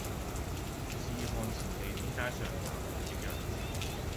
試看前幾天街上男女的樣子，